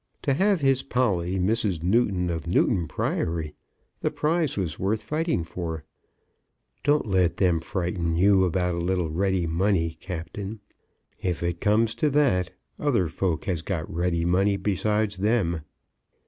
To have his Polly Mrs. Newton of Newton Priory! The prize was worth fighting for. "Don't let them frighten you about a little ready money, Captain. If it comes to that, other folk has got ready money besides them."